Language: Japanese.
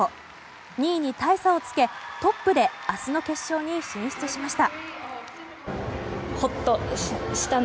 ２位に大差をつけ、トップで明日の決勝に進出しました。